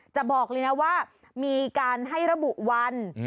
บอกเลยนะว่ามีการให้ระบุวัน